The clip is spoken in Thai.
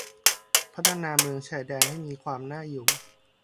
พัฒนาเมืองชายแดนให้มีความน่าอยู่